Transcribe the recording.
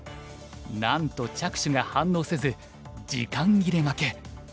なんと着手が反応せず時間切れ負け。